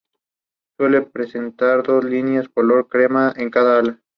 Tiene su sede en Westminster.